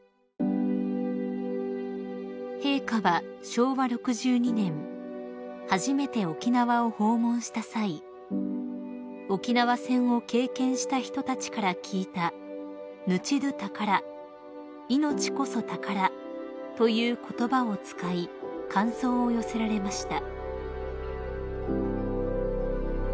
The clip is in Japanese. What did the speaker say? ［陛下は昭和６２年初めて沖縄を訪問した際沖縄戦を経験した人たちから聞いた「ぬちどぅたから」「命こそ宝」という言葉を使い感想を寄せられました］